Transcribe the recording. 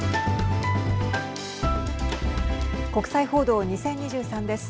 国際報道２０２３です。